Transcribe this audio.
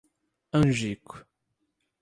Angico